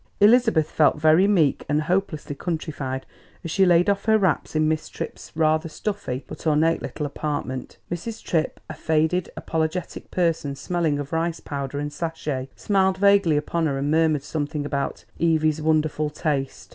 Elizabeth felt very meek and hopelessly countrified as she laid off her wraps in Miss Tripp's rather stuffy but ornate little apartment. Mrs. Tripp, a faded, apologetic person smelling of rice powder and sachet, smiled vaguely upon her and murmured something about "Evy's wonderful taste!"